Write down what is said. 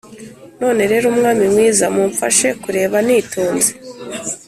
none rero, mwami mwiza, mumfashe kureba nitonze